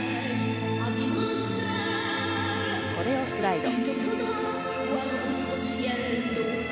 コレオスライド。